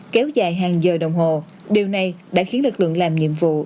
kéo dài hàng giờ đồng hồ điều này đã khiến lực lượng làm nhiệm vụ